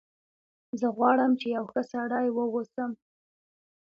زه غواړم چې یو ښه سړی و اوسم